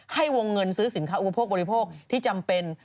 วงเงินซื้อสินค้าอุปโภคบริโภคที่จำเป็น